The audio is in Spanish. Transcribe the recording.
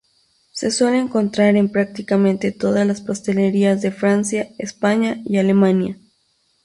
Se suele encontrar en prácticamente todas las pastelerías de Francia, España y Alemania.